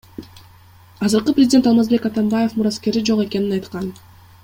Азыркы президент Алмазбек Атамбаев мураскери жок экенин айткан.